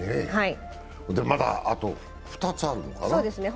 まだ、あと２つあるのかな？